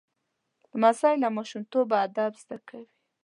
لمسی له ماشومتوبه ادب زده کوي.